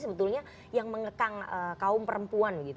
sebetulnya yang mengekang kaum perempuan